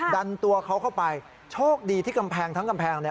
ดันตัวเขาเข้าไปโชคดีที่กำแพงทั้งกำแพงเนี่ย